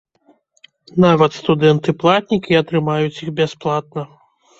Нават студэнты-платнікі атрымаюць іх бясплатна.